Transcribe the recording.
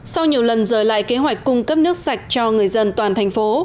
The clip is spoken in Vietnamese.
sau nhiều lần rời lại kế hoạch cung cấp nước sạch cho người dân toàn thành phố